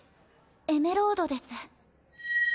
エメロードです。